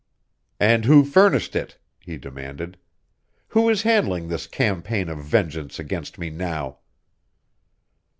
"And who furnished it?" he demanded. "Who is handling this campaign of vengeance against me now?"